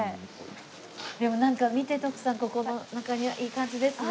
でもなんか見て徳さんここの中庭いい感じですね。